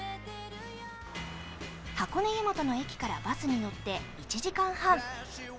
箱根湯本の駅からバスに乗って１時間半。